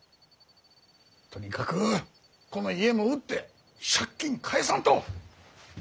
とにかくこの家も売って借金返さんと！